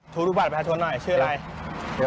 ทุรบาทแพทชนหน่อยชื่ออะไร